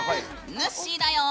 ぬっしーだよ！